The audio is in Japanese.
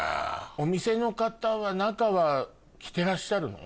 お店の方は中は着てらっしゃるの？